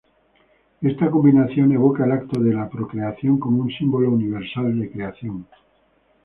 Esta combinación evoca el acto de la procreación como un símbolo universal de creación.